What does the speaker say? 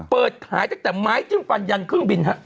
เปิดขายตั้งแต่ไม้จิ้มฟันยันเครื่องบินฮะ